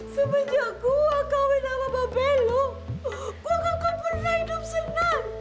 semenjak gua kawin sama mbak bello gua gak pernah hidup senang